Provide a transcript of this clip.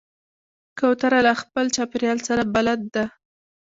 کوتره له خپل چاپېریال سره بلد ده.